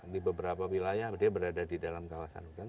di beberapa wilayah dia berada di dalam kawasan hutan